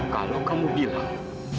kalau kamu bilang